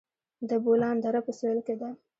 د بولان دره په سویل کې ده